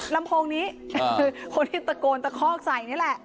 ลำโพงนี้คือคนที่ตะโกนตะคอกใส่นี่แหละ